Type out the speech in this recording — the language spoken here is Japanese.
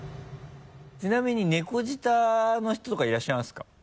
ちなみに猫舌の人とかいらっしゃいますか？